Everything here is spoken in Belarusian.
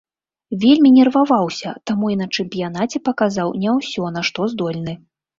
Вельмі нерваваўся, таму і на чэмпіянаце паказаў не ўсё, на што здольны.